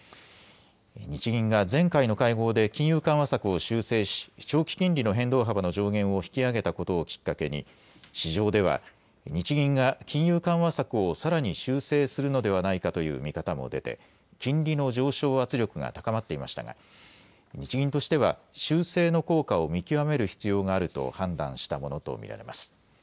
日銀が前回の会合で金融緩和策を修正し長期金利の変動幅の上限を引き上げたことをきっかけに市場では日銀が金融緩和策をさらに修正するのではないかという見方も出て金利の上昇圧力が高まっていましたが日銀としては修正の効果を見極める必要があると判断したものと見られます。